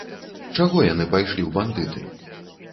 Чаго яны пайшлі ў бандыты?